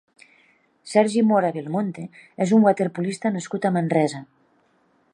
Sergi Mora Belmonte és un waterpolista nascut a Manresa.